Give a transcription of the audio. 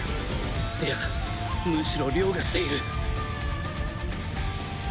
いやむしろ凌駕している！